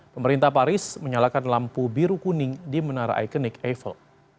pemerintah paris menyalakan lampu biru kuning di menara ikonik eiffel